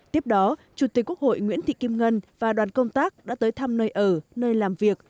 tiếp đó chủ tịch quốc hội nguyễn thị kim ngân và đoàn công tác đã tới thăm nơi ở nơi làm việc